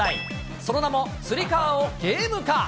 その名も、つり革をゲーム化。